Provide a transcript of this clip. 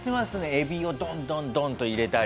海老をドンドンドンと入れたり。